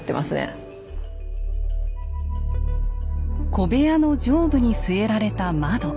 小部屋の上部に据えられた窓。